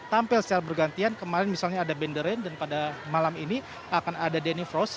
tampil secara bergantian kemarin misalnya ada benderain dan pada malam ini akan ada danny frost